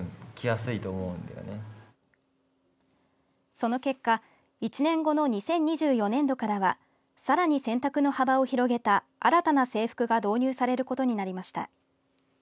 その結果１年後の２０２４年度からはさらに選択の幅を広げた新たな制服が導入されることになりました。